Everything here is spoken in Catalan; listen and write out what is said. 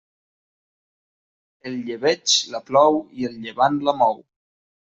El llebeig la plou i el llevant la mou.